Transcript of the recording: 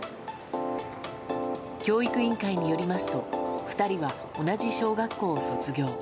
教育委員会によりますと２人は同じ小学校を卒業。